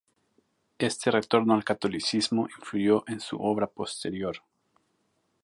Este retorno al catolicismo influyó en su obra posterior.